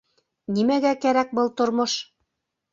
Нимәгә кәрәк был тормош?